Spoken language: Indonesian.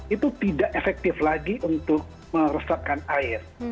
itu tidak efektif lagi untuk meresapkan air